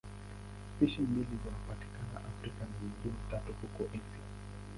Spishi mbili zinapatikana Afrika na nyingine tatu huko Asia.